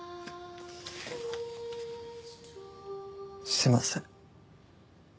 すいません。